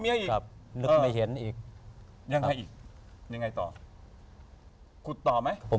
ยังไงต่อขุดต่อไหม